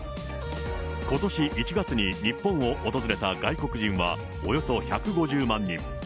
ことし１月に日本を訪れた外国人は、およそ１５０万人。